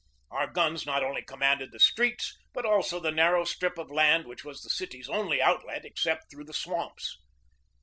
Our guns not only commanded the streets, but also the narrow strip of land which was the city's only outlet except through the swamps.